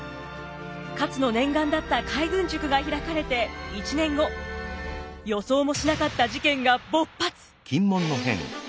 勝の念願だった海軍塾が開かれて１年後予想もしなかった事件が勃発。